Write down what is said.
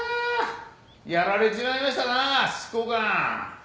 やられちまいましたな執行官。